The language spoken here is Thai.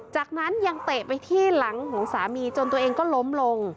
จากนั้นยังเตะไปที่หลังของสามีจนตัวเองก็ล้มลง